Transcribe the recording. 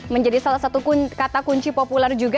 menjadi salah satu kata kunci populer juga